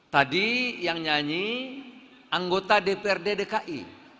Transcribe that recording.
tadi yang nyanyi anggota dprd dki